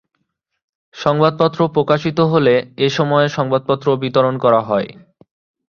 সংবাদপত্র প্রকাশিত হলে এ সময়ে সংবাদপত্র বিতরণ করা হয়।